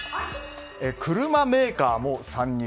車メーカーも参入。